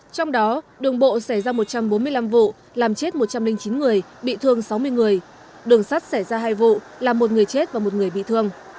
trong đó đường bộ xảy ra một trăm bốn mươi năm vụ làm chết một trăm linh chín người bị thương sáu mươi người đường sắt xảy ra hai vụ làm một người chết và một người bị thương